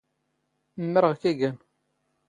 ⵎⵎⵔⵖ ⴽⵉⴳⴰⵏ.